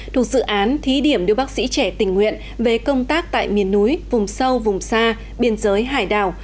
thuộc dự án thí điểm đưa bác sĩ trẻ tình nguyện về công tác tại miền núi vùng sâu vùng xa biên giới hải đảo